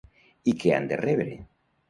I què han de rebre?